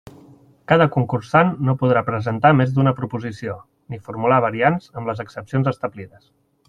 Cada concursant no podrà presentar més d'una proposició, ni formular variants, amb les excepcions establides.